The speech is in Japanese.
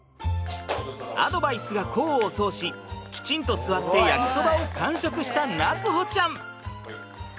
アドバイスが功を奏しきちんと座って焼きそばを完食した夏歩ちゃん。